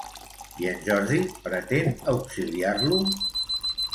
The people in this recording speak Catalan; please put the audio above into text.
I en Jordi pretén auxiliar-lo?